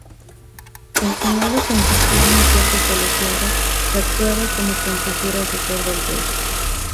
El Senado consistía en un cuerpo colegiado que actuaba como consejo asesor del rey.